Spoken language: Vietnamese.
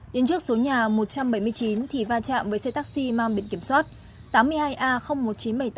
đến trước số nhà một trăm bảy mươi chín thì va chạm với xe taxi mang biện kiểm soát